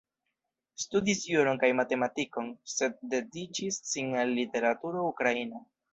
Studis juron kaj matematikon, sed dediĉis sin al literaturo ukraina.